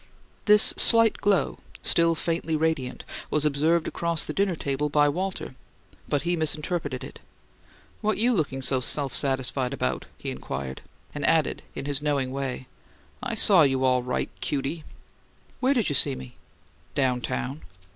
This slight glow, still faintly radiant, was observed across the dinner table by Walter, but he misinterpreted it. "What YOU lookin' so self satisfied about?" he inquired, and added in his knowing way, "I saw you, all right, cutie!" "Where'd you see me?" "Down town."